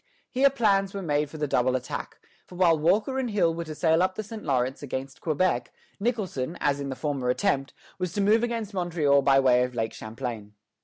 Here plans were made for the double attack; for while Walker and Hill were to sail up the St. Lawrence against Quebec, Nicholson, as in the former attempt, was to move against Montreal by way of Lake Champlain.